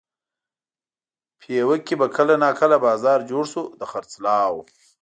پېوه کې به کله ناکله بازار جوړ شو د خرڅلاو.